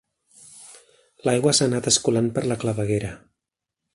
L'aigua s'ha anat escolant per la claveguera.